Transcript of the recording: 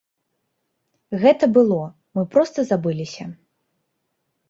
Гэта было, мы проста забыліся.